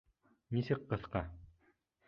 Нисек ҡыҫҡа?